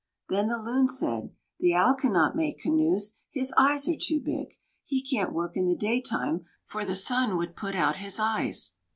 Then the Loon said: "The Owl cannot make canoes; his eyes are too big. He can't work in the day time for the sun would put out his eyes."